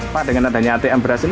pak dengan adanya atm beras ini